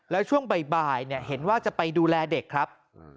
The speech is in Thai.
แล้วช่วงบ่ายเห็นว่าจะไปดูแลเด็กครับ